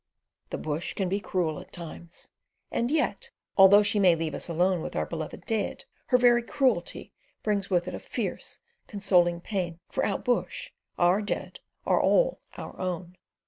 The bush can be cruel at times, and yet, although she may leave us alone with our beloved dead, her very cruelty bungs with it a fierce, consoling pain; for out bush our dead are all our own.